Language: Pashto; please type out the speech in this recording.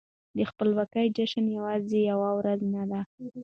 د خپلواکۍ جشن يوازې يوه ورځ نه ده.